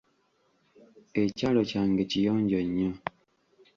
Ekyalo kyange kiyonjo nnyo.